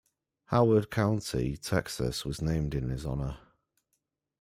Howard County, Texas was named in his honor.